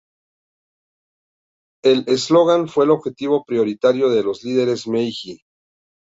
El eslogan fue el objetivo prioritario de los líderes Meiji.